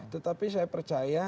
tetapi saya percaya